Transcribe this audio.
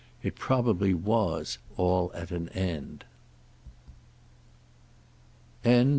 It probably was all at an end.